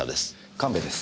神戸です。